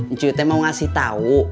ncuye mau ngasih tau